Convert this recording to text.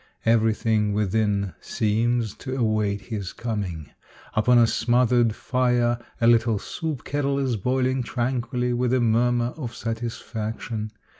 Everything within seems to await his coming. Upon a smothered fire a little soup kettle is boiling tranquilly with a murmur of satis faction.